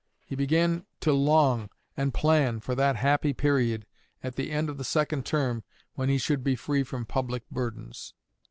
He began to long and plan for that happy period at the end of the second term when he should be free from public burdens.